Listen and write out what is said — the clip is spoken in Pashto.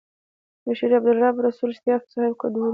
بشپړ عبدالرب رسول سياف صاحب ګډون لري.